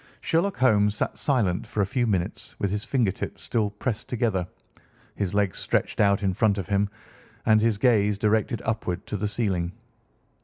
Sherlock Holmes sat silent for a few minutes with his fingertips still pressed together, his legs stretched out in front of him, and his gaze directed upward to the ceiling.